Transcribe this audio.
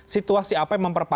situasi apa yang memperpecahkan